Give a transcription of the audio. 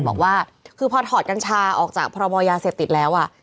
บอกว่าคือพอถอดกัญชาออกจากพรบยาเสพติดแล้วอ่ะ